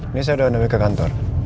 ini saya udah undang undang ke kantor